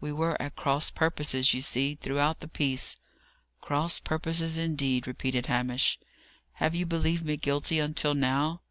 We were at cross purposes, you see, throughout the piece." "Cross purposes, indeed!" repeated Hamish. "Have you believed me guilty until now?"